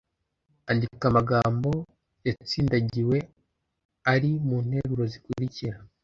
Andika amagambo yatsindagiwe ari mu nteruro zikurikira,